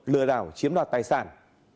lừa đảo chiếm đoạt tài sản